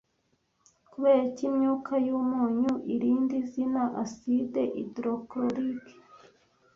Kuberiki imyuka yumunyu irindi zina aside Hydrochloric